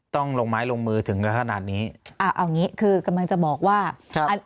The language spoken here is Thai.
ต้องลงไม้ลงมือถึงขนาดนี้อ่าเอางี้คือกำลังจะบอกว่า